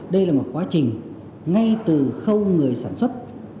đây là một quá trình ngay từ khâu người sản xuất